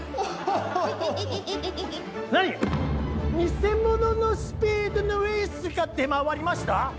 偽物のスペードのエースが出回りました